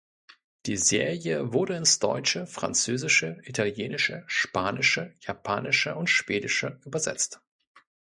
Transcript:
Die Serie wurde ins Deutsche, Französische, Italienische, Spanische, Japanische und Schwedische übersetzt.